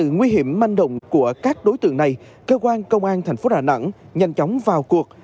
nguy hiểm manh động của các đối tượng này cơ quan công an thành phố đà nẵng nhanh chóng vào cuộc